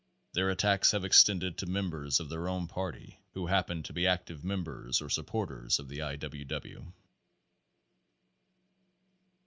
Their attacks have extended to members of their own party who happened to be active members or supporters of the I. W. W.